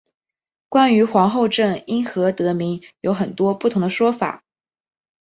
关于皇后镇因何得名有很多不同的说法。